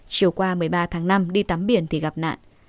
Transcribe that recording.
chiều qua một mươi ba tháng năm đi tắm biển thì gặp nạn